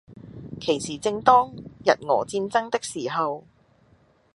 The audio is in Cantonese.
其時正當日俄戰爭的時候，